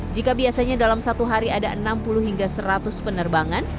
jika biasanya dalam satu hari ada enam puluh hingga seratus penerbangan